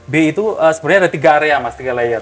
b itu sebenarnya ada tiga area mas tiga layer